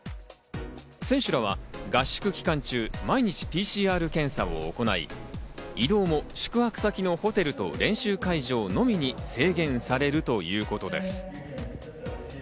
選手らは合宿期間中、毎日ＰＣＲ検査を行い、移動も宿泊先のホテルと練習会場のみに制限されるということです。